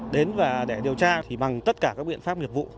đến và để điều tra thì bằng tất cả các biện pháp nghiệp vụ